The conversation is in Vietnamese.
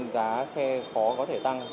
giá xe khó có thể tăng